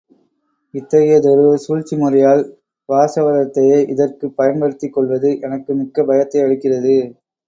இத்தகையதொரு சூழ்ச்சிமுறையால் வாசவதத்தையை இதற்குப் பயன்படுத்திக் கொள்வது எனக்கு மிக்க பயத்தை அளிக்கிறது.